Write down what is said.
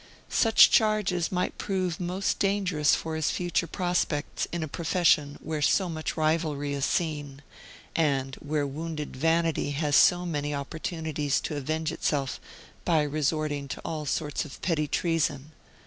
Such charges might prove most dangerous for his future prospects in a profession where so much rivalry is seen, and where wounded vanity has so many opportunities to avenge itself by resorting to all sorts of petty treason.